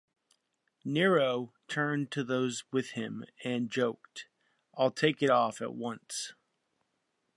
Nero turned to those with him and joked, I'll take it off at once.